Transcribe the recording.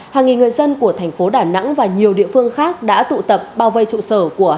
hàng nghìn người dân của thành phố đà nẵng và nhiều địa phương khác đã tụ tập bao vây trụ sở của